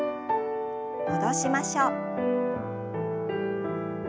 戻しましょう。